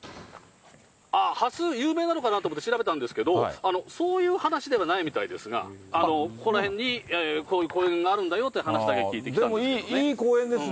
ハス、有名なのかなと思って調べたんですけれども、そういう話ではないみたいですが、この辺にこういう公園があるんだよという話だけ聞いてきたんです